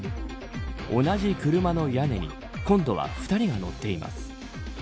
同じ車の屋根に今度は２人が乗っています。